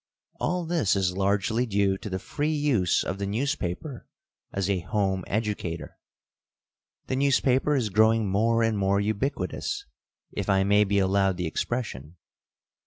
All this is largely due to the free use of the newspaper as a home educator. The newspaper is growing more and more ubiquitous, if I may be allowed the expression.